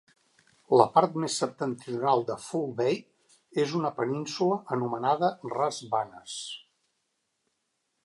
La part més septentrional de Foul Bay és una península anomenada Ras Banas.